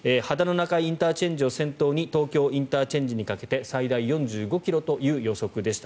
中井ＩＣを先頭に東京ＩＣにかけて最大４５ｋｍという予測でした。